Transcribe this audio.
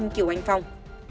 điều anh phong